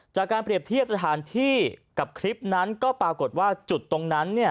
จากการเปรียบเทียบสถานที่กับคลิปนั้นก็ปรากฏว่าจุดตรงนั้น